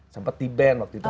sempat di band waktu itu